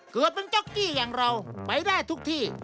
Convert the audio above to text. เกิดเป็นเจ้าจี้อย่างเราไปได้ทุกที่